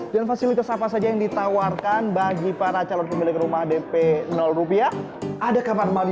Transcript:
dan fasilitas apa saja yang ditawarkan bagi para calon pemilik rumah dp rupiah ada kamar mandi